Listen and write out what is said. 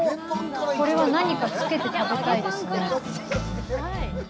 これは何かつけて食べたいですね。